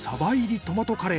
トマトカレー。